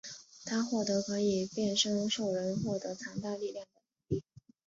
他获得可以变身兽人获得强大力量的能力。